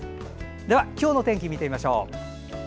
では、今日の天気を見てみましょう。